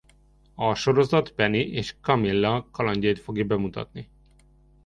A sorozat Penny és Camilla kalandjait fogja bemutatni.